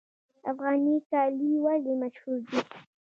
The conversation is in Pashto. افغاني کالي ولې مشهور دي؟